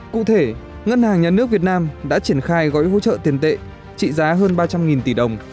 cụ thể ngân hàng nhà nước việt nam đã triển khai gói hỗ trợ tiền tệ trị giá hơn ba trăm linh tỷ đồng